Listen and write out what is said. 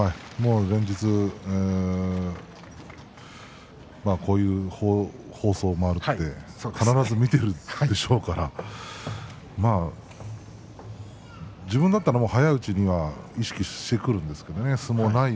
連日、こういう放送もあるし必ず見ているでしょうから自分だったら早いうちに意識しますよ。